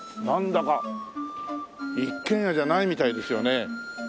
なんだか一軒家じゃないみたいですよね。